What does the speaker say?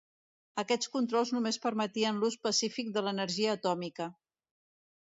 Aquests controls només permetrien l'ús pacífic de l'energia atòmica.